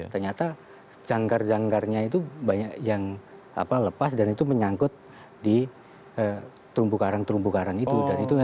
ternyata janggar janggarnya itu banyak yang lepas dan itu menyangkut di terumbu karang terumbu karang itu